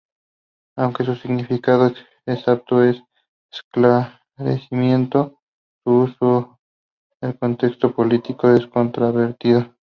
Aunque su significado exacto es "esclarecimiento", su uso en el contexto político es controvertido.